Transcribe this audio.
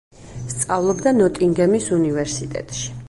სწავლობდა ნოტინგემის უნივერსიტეტში.